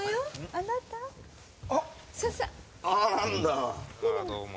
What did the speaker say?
ああどうも。